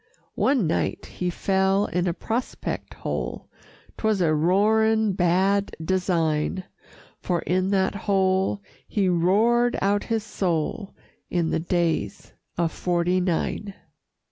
One night he fell in a prospect hole 'Twas a roaring bad design For in that hole he roared out his soul In the Days of 'Forty Nine.